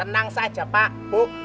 tenang saja pak bu